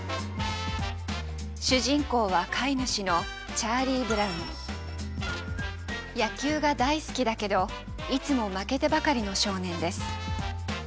主人公は飼い主の野球が大好きだけどいつも負けてばかりの少年です。